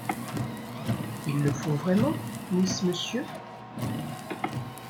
Il le faut vraiment, Miss Monsieur ?